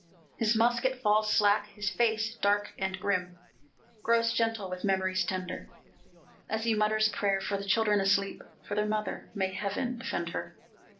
His musket falls slack; his face, dark and grim, Grows gentle with memories tender, As he mutters a prayer for the children asleep For their mother may Heaven defend her!